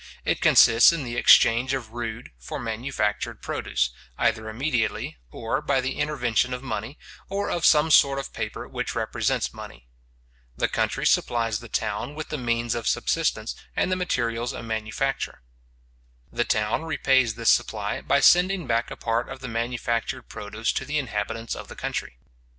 It consists in the exchange of rude for manufactured produce, either immediately, or by the intervention of money, or of some sort of paper which represents money. The country supplies the town with the means of subsistence and the materials of manufacture. The town repays this supply, by sending back a part of the manufactured produce to the inhabitants of the country.